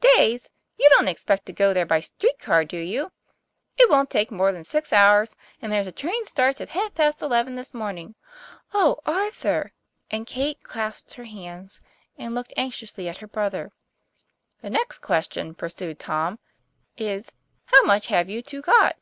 'Days! You don't expect to go there by street car, do you ? It won't take more than six hours, and there's a train starts at half past eleven this morn ing." ; 'O Arthur!' And Kate clasped her hands and looked anxiously at her brother. ; The next question," pursued Tom, " is, how much have you two got?